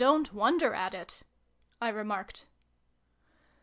I don't wonder at it," I remarked.